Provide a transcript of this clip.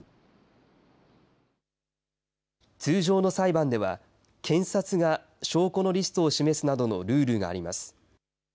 通常の裁判では、検察が証拠のリストを示すなどのルールがあります。